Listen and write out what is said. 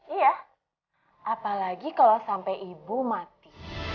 iya apalagi kalau sampai ibu mati